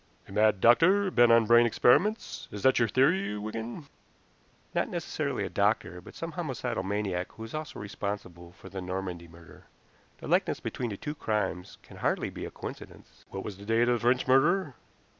"A mad doctor bent on brain experiments is that your theory, Wigan?" "Not necessarily a doctor, but some homicidal maniac who is also responsible for the Normandy murder. The likeness between the two crimes can hardly be a coincidence." "What was the date of the French murder?"